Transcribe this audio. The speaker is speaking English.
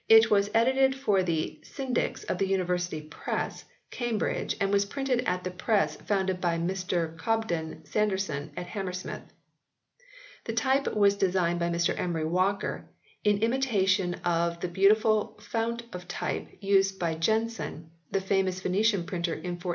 was edited for the Syndics of the University Press, Cambridge, and was printed at the press founded by Mr Cobden Sanderson at Hammersmith. The type was designed by Mr Emery Walker in imitation of the beautiful fount of type used by Jenson, the famous Venetian printer in 1472.